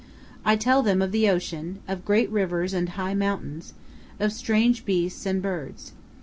I tell them of the ocean, of great rivers and high mountains, of strange beasts and birds.